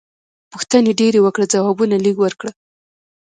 پوښتنې ډېرې وکړه ځوابونه لږ ورکړه.